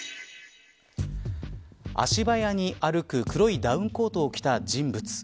足早に歩く黒いダウンコートを着た人物。